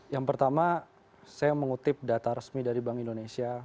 yang pertama saya mengutip data resmi dari bank indonesia